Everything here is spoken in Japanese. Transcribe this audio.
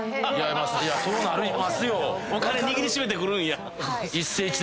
お金握り締めて来るんや。